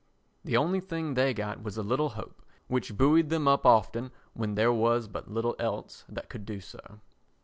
The only thing they got was a little hope, which buoyed them up often when there was but little else that could do so.